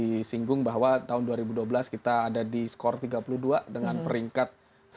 disinggung bahwa tahun dua ribu dua belas kita ada di skor tiga puluh dua dengan peringkat satu